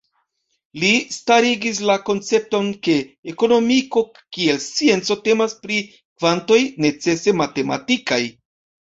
Li starigis la koncepton ke ekonomiko kiel scienco temas pri kvantoj necese matematikaj.